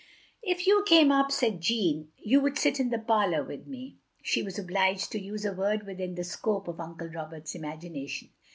"If you came up," said Jeanne, "you would sit in the pariour with me, " she was obliged to use a word within the scope of Uncle Roberts's imagination.